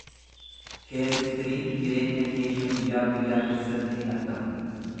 Keemistiriin jireenya keenya guyyaa guyyaa keessatti ni argama.